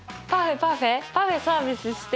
パフェサービスしてよ！